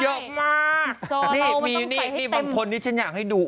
จอเรามันต้องใส่ให้เต็มมีมีบางคนนี้ฉันอยากให้ดู